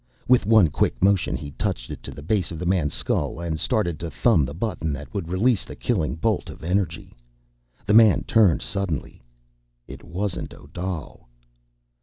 With one quick motion he touched it to the base of the man's skull and started to thumb the button that would release the killing bolt of energy ... The man turned suddenly. It wasn't Odal!